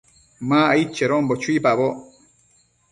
Ma aid chedonbo chuipaboc